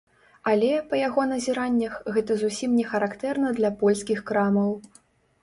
Але, па яго назіраннях, гэта зусім не характэрна для польскіх крамаў.